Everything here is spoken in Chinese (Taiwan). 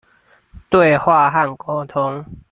對話和溝通